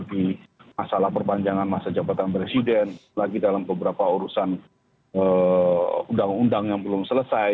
di masalah perpanjangan masa jabatan presiden lagi dalam beberapa urusan undang undang yang belum selesai